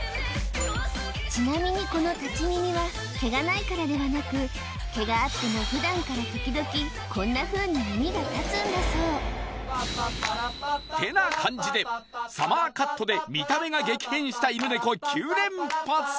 ちなみにこの立ち耳は毛がないからではなく毛があっても普段から時々こんなふうに耳が立つんだそうてな感じでサマーカットで見た目が激変した犬ネコ９連発